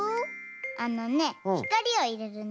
あのねひかりをいれるんだ。